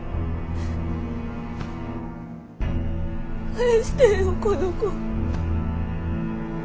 返してよこの子。